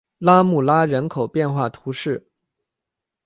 拉穆拉人口变化图示